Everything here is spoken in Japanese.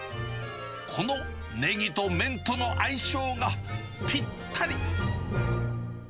このネギと麺との相性が、ぴったり。